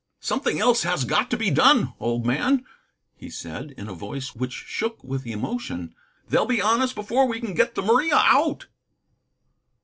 "Something else has got to be done, old man," he said, in a voice which shook with emotion; "they'll be on us before we can get the Maria out."